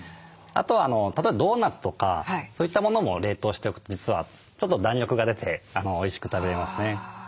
あとは例えばドーナツとかそういったものも冷凍しておくと実はちょっと弾力が出ておいしく食べれますね。